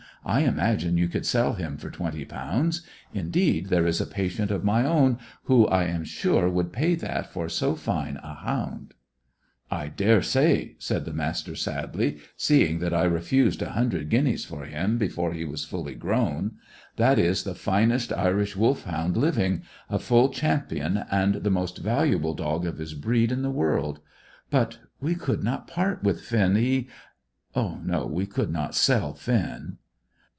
I imagine you could sell him for twenty pounds. Indeed, there is a patient of my own who I am sure would pay that for so fine a hound." "I dare say," said the Master sadly, "seeing that I refused a hundred guineas for him before he was fully grown. That is the finest Irish Wolfhound living, a full champion, and the most valuable dog of his breed in the world. But we could not part with Finn. He No, we could not sell Finn."